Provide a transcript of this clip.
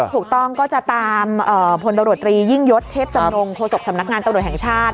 ถูกต้องก็จะตามพลตำรวจตรียิ่งยศเทพจำนงโฆษกสำนักงานตำรวจแห่งชาติ